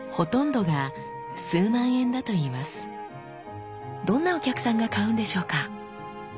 どんなお客さんが買うんでしょうか？